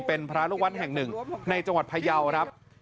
เป็นพระรุกวัลแห่งหนึ่งในจังหวัดพายาว